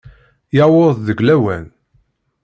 Yuweḍ-d deg lawan.